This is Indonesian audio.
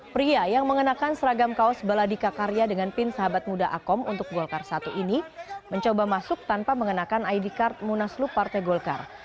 pria yang mengenakan seragam kaos baladika karya dengan pin sahabat muda akom untuk golkar satu ini mencoba masuk tanpa mengenakan id card munaslup partai golkar